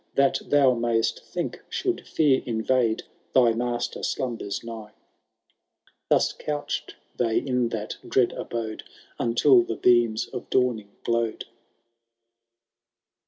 That thou mayst think, should fear invade. Thy master slimibers nigh. Thus couchM they in that dread abode. Until the beams of dawning glowed.